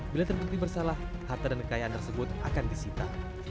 bila terbukti bersalah harta dan kekayaan tersebut akan disita